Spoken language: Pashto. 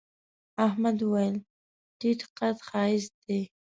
احمد وويل: تيت قد ښایست دی.